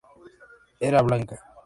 Era blanca.